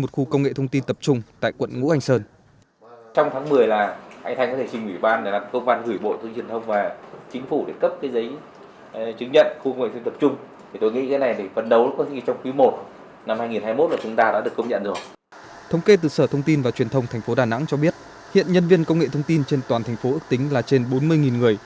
tổng thống thành phố đà nẵng cho biết hiện nhân viên công nghệ thông tin trên toàn thành phố ước tính là trên bốn mươi người